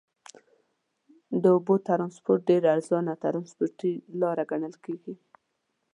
د اوبو ترانسپورت ډېر ارزانه ترنسپورټي لاره ګڼل کیږي.